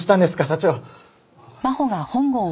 社長。